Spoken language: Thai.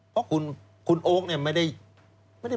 เพราะคุณโอ๊คเนี่ยไม่ได้